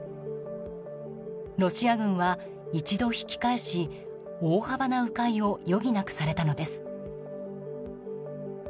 ロシア軍は一度引き返し大幅な迂回を余儀なくされたのです。